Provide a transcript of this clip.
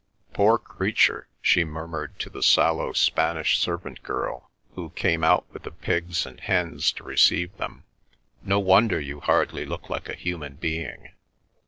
"Poor creature!" she murmured to the sallow Spanish servant girl who came out with the pigs and hens to receive them, "no wonder you hardly look like a human being!"